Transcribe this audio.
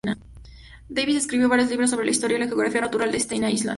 Davis escribió varios libros sobre la historia y la geografía natural de Staten Island.